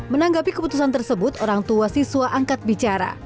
menanggapi keputusan tersebut orang tua siswa angkat bicara